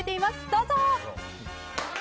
どうぞ。